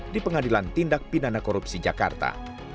di pengadilan tindak pidana korupsi jakarta